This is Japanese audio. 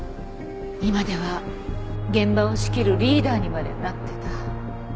今では現場を仕切るリーダーにまでなってた。